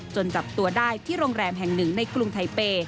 จับตัวได้ที่โรงแรมแห่งหนึ่งในกรุงไทเป